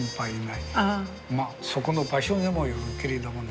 そこの場所にもよるけれどもね。